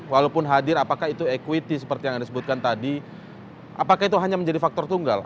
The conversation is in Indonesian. walaupun hadir apakah itu equity seperti yang anda sebutkan tadi apakah itu hanya menjadi faktor tunggal